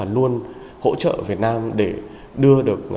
luôn hỗ trợ việt nam để đưa được